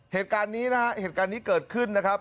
เหตุการณ์นี้นะฮะเหตุการณ์นี้เกิดขึ้นนะครับ